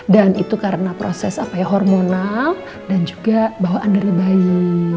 dan itu karena proses hormonal dan juga bawaan dari bayi